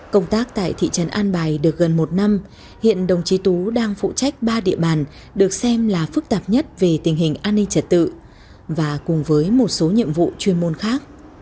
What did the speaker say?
công tác tại thị trấn an bài được gần một năm hiện đồng chí tú đang phụ trách ba địa bàn được xem là phức tạp nhất về tình hình an ninh trật tự và cùng với một số nhiệm vụ chuyên môn khác